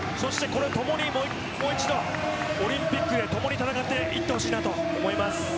ともにもう一度オリンピックで、ともに戦っていってほしいなと思います。